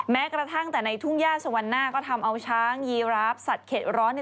แม้กระทั่งแต่ในทุ่งย่าสวรรณาก็ทำเอาช้างยีราฟสัตว์เข็ดร้อน